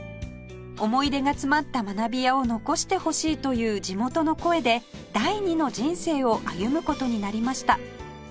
思い出が詰まった学び舎を残してほしいという地元の声で第二の人生を歩む事になりました